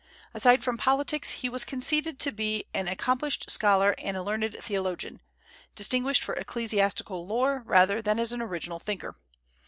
Aside from politics, he was conceded to be an accomplished scholar and a learned theologian, distinguished for ecclesiastical lore rather than as an original thinker.